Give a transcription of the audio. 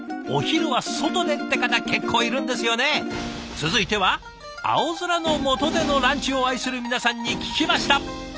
続いては青空の下でのランチを愛する皆さんに聞きました！